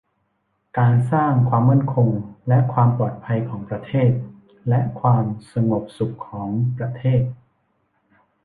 การสร้างความมั่นคงและความปลอดภัยของประเทศ และความสงบสุขของประเทศ